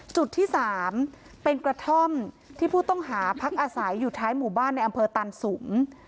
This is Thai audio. จุดที่๓เป็นกระท่อมที่ผู้ต้องหาพักอาศัยอยู่ท้ายหมู่บ้านในอำเภอตันสุม